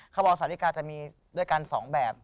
เขาบอกสาธิกาจะมีด้วยกัน๒แบบ